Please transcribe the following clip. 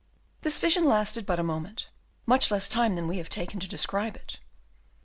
This vision lasted but a moment, much less time than we have taken to describe it.